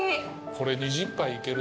これ２０杯いける。